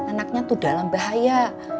anaknya tuh dalam bahaya